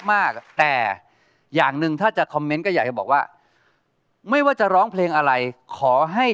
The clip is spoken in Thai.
ผมต้องทุกคนเอาไป